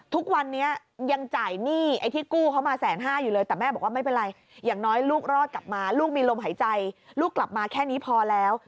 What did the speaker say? ทุกวันนี้ยังจ่ายหนี้ไอ้ที่กู้เขามาแสนห้าอยู่เลยแต่แม่บอกว่าไม่เป็นไรอย่างน้อยลูกรอดกลับมาลูกมีลมหายใจลูกกลับมาแค่นี้พอแล้ว